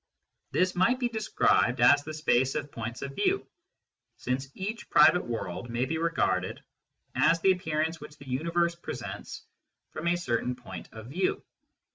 This might be r6o MYSTICISM AND LOGIC described as the space of points oi view, since each private world may be regarded as the appearance which the universe presents from a certain point of view.